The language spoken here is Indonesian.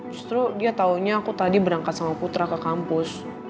justru dia taunya aku tadi berangkat sama putra ke kampus